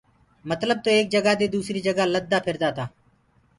متلب تو ايڪ جگآ دي دوٚسريٚ جگي لددا ڦِردآ تآ۔